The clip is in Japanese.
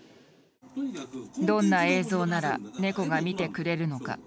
どんな映像ならネコが見てくれるのか。